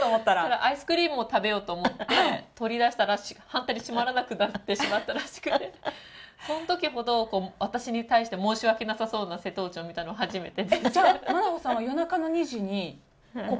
アイスクリームを食べようと思って、取り出したら、反対に閉まらなくなってしまったらしくて、そのときほど私に対して申し訳なさそうな瀬戸内を見たのは初めてじゃあ、来て。